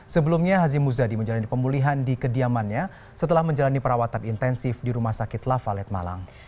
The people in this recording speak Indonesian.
sebelumnya hazim muzadi menjalani pemulihan di kediamannya setelah menjalani perawatan intensif di rumah sakit lavalet malang